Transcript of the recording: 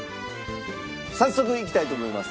早速いきたいと思います。